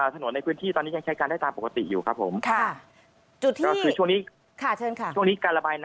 ถนนในพื้นที่ตอนนี้ยังใช้การได้ตามปกติอยู่ครับ